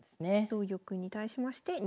同玉に対しまして２五桂。